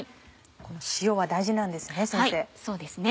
この塩は大事なんですね？